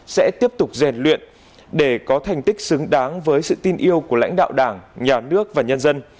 sẽ tiếp tục rèn luyện để có thành tích xứng đáng với sự tin yêu của lãnh đạo đảng nhà nước và nhân dân